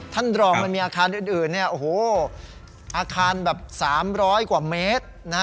ท่านรองมันมีอาคารอื่นอาคารแบบ๓๐๐กว่าเมตร